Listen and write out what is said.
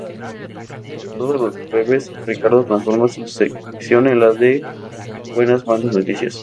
Todos los jueves, Ricardo transforma su sección en la de "Buenas Malas Noticias".